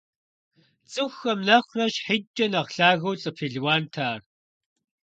ЦӀыхухэм нэхърэ щхьитӀкӀэ нэхъ лъэгэну лӀы пелуант ар.